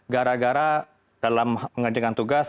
gara gara dalam mengerjakan tugas